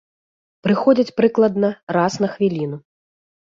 Прыходзяць прыкладна раз на хвіліну.